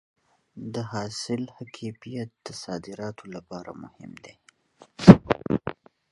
د حاصل ښه کیفیت د صادراتو لپاره مهم دی.